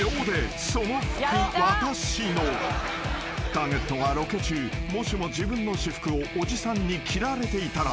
［ターゲットがロケ中もしも自分の私服をおじさんに着られていたら？